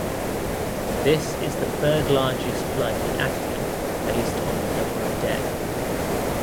This is the third largest flood in Attica based on the number of dead.